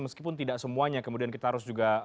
meskipun tidak semuanya kemudian kita harus juga